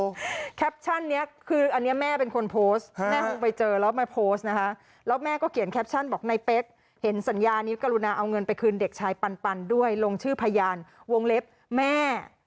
แคปชั่นนี้คืออันนี้แม่เป็นคนโพสต์แม่คงไปเจอแล้วมาโพสต์นะคะแล้วแม่ก็เขียนแคปชั่นบอกในเป๊กเห็นสัญญานิ้วกรุณาเอาเงินไปคืนเด็กชายปันด้วยลงชื่อพยานวงเล็บแม่